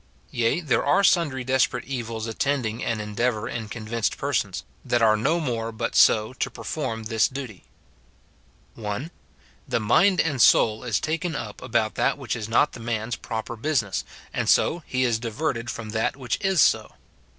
Yea, there are sundry desperate evils attending an endeavour in convinced persons, that are no more but so, to perform this duty :— (1.) The mind and soul is taken up about that which is not the man's proper business, and so he is diverted from that which is so.